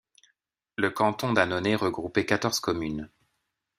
Le canton d'Annonay regroupait quatorze communes.